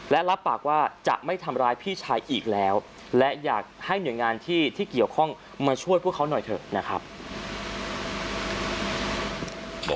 และรับปากว่าจะไม่ทำร้ายพี่ชายอีกแล้วและอยากให้หน่วยงานที่เกี่ยวข้องมาช่วยพวกเขาหน่อยเถอะนะครับ